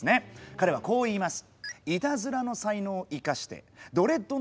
彼はこう言います。